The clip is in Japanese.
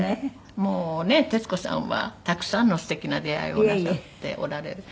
もうね徹子さんはたくさんの素敵な出会いをなさっておられる。